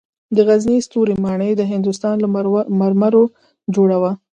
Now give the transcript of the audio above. د غزني ستوري ماڼۍ د هندوستان له مرمرو جوړه وه